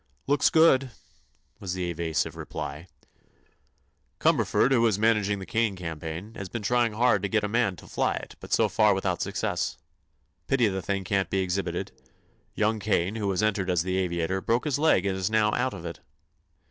"Looks good," was the evasive reply. "Cumberford, who is managing the Kane campaign, has been trying hard to get a man to fly it, but so far without success. Pity the thing can't be exhibited. Young Kane, who was entered as the aviator, broke his leg and is now out of it."